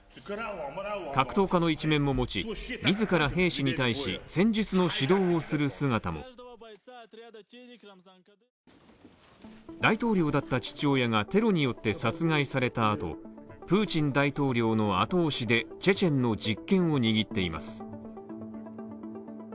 格闘家の一面も持ち、自ら兵士に対し、戦術の指導をする姿も大統領だった父親がテロによって殺害された後、プーチン大統領の後押しでチェチェンの実権を握っています